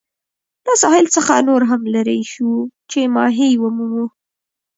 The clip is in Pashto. له ساحل څخه نور هم لیري شوو چې ماهي ومومو.